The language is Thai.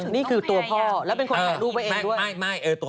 อ๋อนี่คือตัวพ่อและเป็นคนถ่ายรูปไว้เองด้วย